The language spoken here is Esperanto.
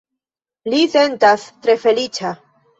Li sentas tre feliĉa